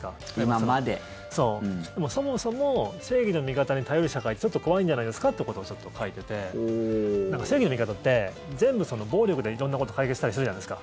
そもそも正義の味方に頼る社会ってちょっと怖いんじゃないですかってことを書いていて正義の味方って全部、暴力で色んなことを解決したりするじゃないですか。